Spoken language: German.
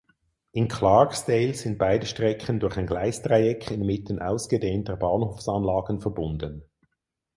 In Clarksdale sind beide Strecken durch ein Gleisdreieck inmitten ausgedehnter Bahnhofsanlagen verbunden.